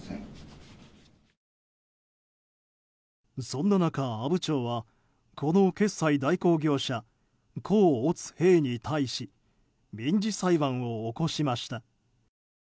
そんな中、阿武町はこの決済代行業者甲・乙・丙に対し民事裁判を起こしました。